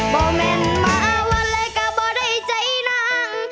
บ่มันมาวันเลยก็ไม่ได้ใจนัง